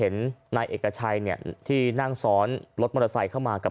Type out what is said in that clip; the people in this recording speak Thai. นายเอกชัยเนี่ยที่นั่งซ้อนรถมอเตอร์ไซค์เข้ามากับ